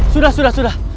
sudah sudah sudah